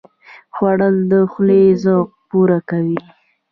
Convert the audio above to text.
خوړل د خولې ذوق پوره کوي